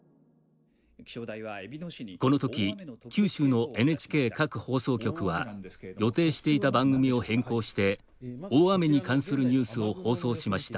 このとき九州のＮＨＫ各放送局は予定していた番組を変更して大雨に関するニュースを放送しました。